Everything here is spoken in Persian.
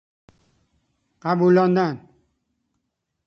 قبولاندن